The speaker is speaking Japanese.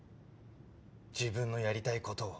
自分のやりたい事を。